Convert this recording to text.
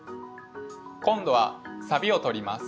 今度はサビを取ります。